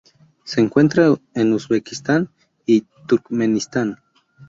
Se encuentra en Uzbekistán y Turkmenistán.